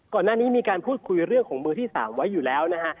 ก่อนหน้านี้มีการพูดคุยเรื่องของมือที่๓ไว้อยู่แล้วนะฮะ